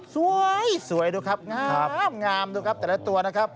สวยสวยดูครับงามดูครับแต่ละตัวนะครับ